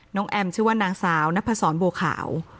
น้องแอมชื่อว่านางสาวนักภาษรบัวขาว